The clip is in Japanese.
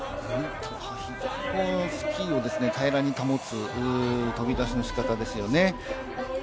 スキーを平らに保つ飛び出しの仕方ですよね。